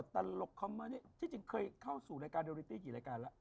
ที่จริงเคยเข้าสู่รายการโดริตี้กี่รายการล่ะ